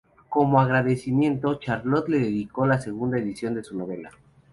Como agradecimiento, Charlotte le dedicó la segunda edición de su novela.